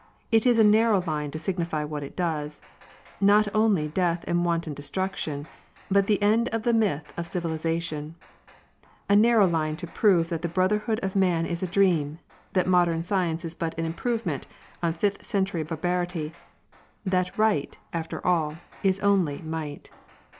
It is a narrow line to signify what it does not only death and wanton destruction, but the end of the myth of civilisation; a narrow line to prove that the brotherhood of man is a dream, that modern science is but an improvement on fifth century barbarity; that right, after all, is only might.